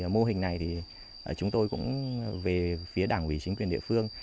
mô hình này chúng tôi cũng về phía đảng quỳ chính quyền địa phương